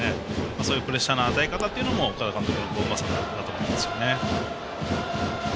そういうプレッシャーの与え方というのも岡田監督の采配だと思いますね。